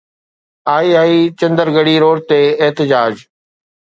II Chandar Garhi road تي احتجاج